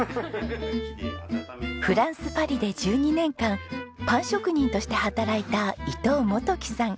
フランスパリで１２年間パン職人として働いた伊藤源喜さん。